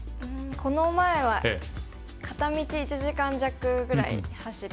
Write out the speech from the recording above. この前は片道１時間弱ぐらい走りました。